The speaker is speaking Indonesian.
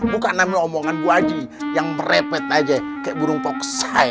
bukan nama omongan gue aja yang merepet aja kayak burung toksai